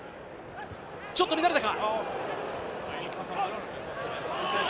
ちょっと乱れたか。